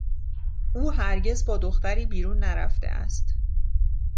او هرگز با دختری بیرون نرفته است.